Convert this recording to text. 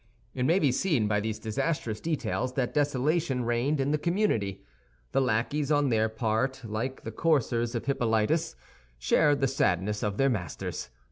It may be seen by these disastrous details that desolation reigned in the community. The lackeys on their part, like the coursers of Hippolytus, shared the sadness of their masters.